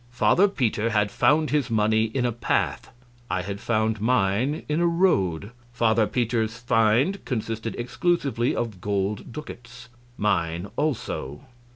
A. Father Peter had found his money in a path I had found mine in a road. Father Peter's find consisted exclusively of gold ducats mine also.